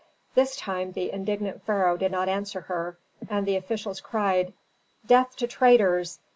This time the indignant pharaoh did not answer her, and the officials cried, "Death to traitors!